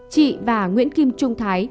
chị và nguyễn kim trung thái